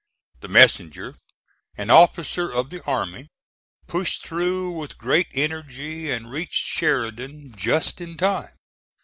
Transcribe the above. The messenger, an officer of the army, pushed through with great energy and reached Sheridan just in time.